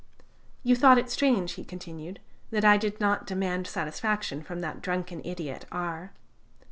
"You thought it strange," he continued, "that I did not demand satisfaction from that drunken idiot R